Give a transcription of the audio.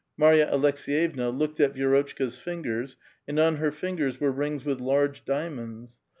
Marya Aleks6yevna looked at Vi6rotchka's fingers ; and on her fingers were rings with large diamonds.